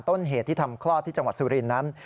ต้นเหตุที่ทำคลอดที่จังหวัดสุรินทร์นั้น